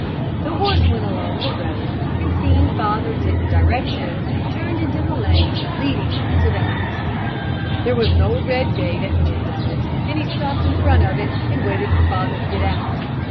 The horse went along the road, and seeing father didn't direct him, turned into the lane leading to the house. There was an old red gate at the end of it, and he stopped in front of it, and waited for father to get out.